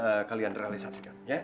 eh kalian realisansikan ya